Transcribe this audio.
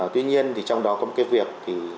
tuy nhiên trong đó có một cái việc